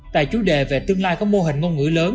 tại chủ đề về tương lai có mô hình ngôn ngữ lớn